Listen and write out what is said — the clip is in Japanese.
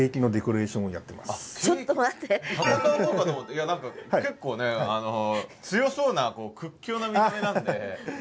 いや何か結構ね強そうな屈強な見た目なんで。